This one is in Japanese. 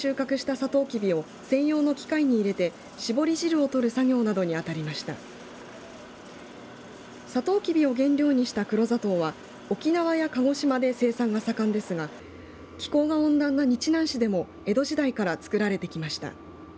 さとうきびを原料にした黒砂糖は沖縄や鹿児島で生産が盛んですが気候が温暖な日南市でも江戸時代から作られてきました。